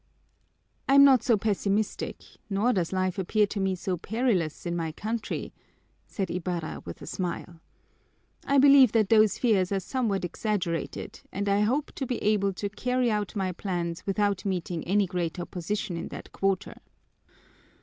"I'm not so pessimistic nor does life appear to me so perilous in my country," said Ibarra with a smile. "I believe that those fears are somewhat exaggerated and I hope to be able to carry out my plans without meeting any great opposition in that quarter."